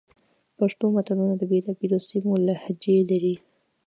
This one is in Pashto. پښتو متلونه د بېلابېلو سیمو لهجې لري